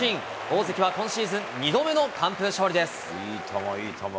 大関は今シーズン、２度目の完封勝利です。